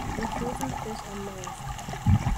It feeds on fish and molluscs.